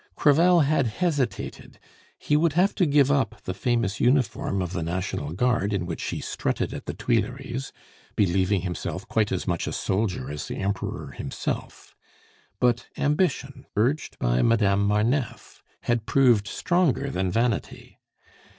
Crevel had hesitated; he would have to give up the famous uniform of the National Guard in which he strutted at the Tuileries, believing himself quite as much a soldier as the Emperor himself; but ambition, urged by Madame Marneffe, had proved stronger than vanity.